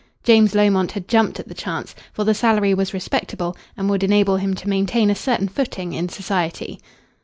James Lomont had jumped at the chance, for the salary was respectable and would enable him to maintain a certain footing in society.